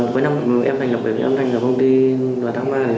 cuối năm em thành lập công ty vào tháng ba